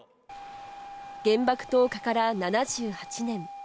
原爆投下から７８年。